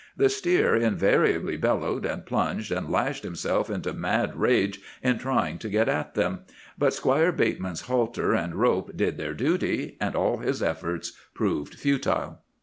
The steer invariably bellowed, and plunged and lashed himself into mad rage in trying to get at them; but Squire Bateman's halter and rope did their duty, and all his efforts proved futile.